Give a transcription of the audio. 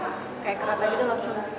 langsung kita ambil deh keren banget